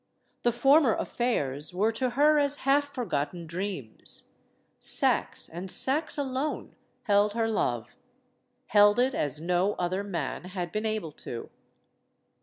The former affairs were to her as half forgotten dreams. Saxe, and Saxe alone, held her love; held it as no other man had been able to.